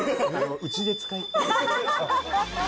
うちで使いたい。